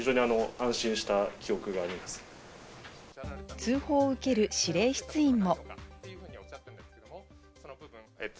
通報を受ける指令室員も。